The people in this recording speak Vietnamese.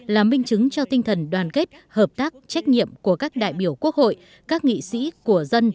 là minh chứng cho tinh thần đoàn kết hợp tác trách nhiệm của các đại biểu quốc hội các nghị sĩ của dân